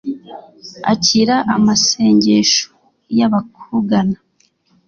akira amasengesho y'abakugana